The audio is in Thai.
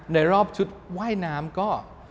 ในรอบชุดว่ายน้ำก็